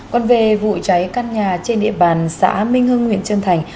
còn về vụ cháy căn nhà trên địa bàn xã minh hưng nguyễn trân thái